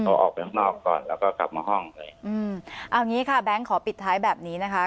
เอาออกไปข้างนอกก่อนแล้วก็กลับมาห้องเลยอืมเอางี้ค่ะแบงค์ขอปิดท้ายแบบนี้นะคะ